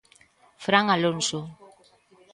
Fran Alonso.